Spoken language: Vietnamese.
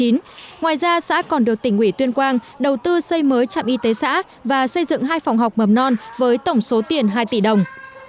ngoài ra xã còn được tỉnh ủy tuyên quang đầu tư xây mới trạm y tế xã và xây dựng hai phòng học mầm non với tổng số tiền hai tỷ đồng